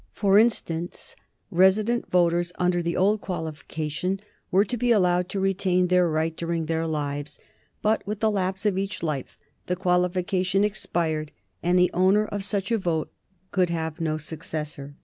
For instance, resident voters, under the old qualifications, were to be allowed to retain their right during their lives, but with the lapse of each life the qualification expired and the owner of such a vote could have no successor.